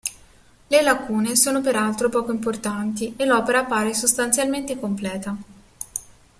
Le lacune sono peraltro poco importanti e l'opera appare sostanzialmente completa.